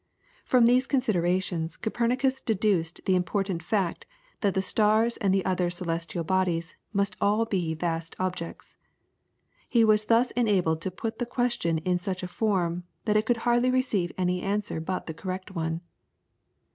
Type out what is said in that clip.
From these considerations Copernicus deduced the important fact that the stars and the other celestial bodies must all be vast objects. He was thus enabled to put the question in such a form that it could hardly receive any answer but the correct one.